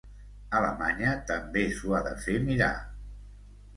Alemanya també s’ho ha de fer mirar.